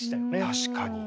確かに。